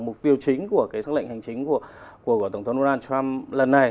mục tiêu chính của cái xác lệnh hành chính của tổng thống donald trump lần này